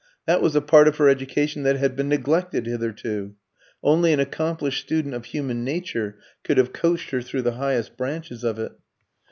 That was a part of her education that had been neglected hitherto. Only an accomplished student of human nature could have coached her through the highest branches of it.